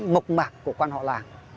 mộc mạc của quan họ làng